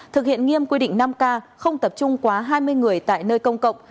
thực hiện nghiêm quy định năm k không tập trung quá hai mươi người tại nơi công cộng